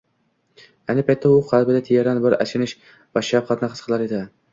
Ayni paytda u qalbida teran bir achinish va shafqatni his qilar edi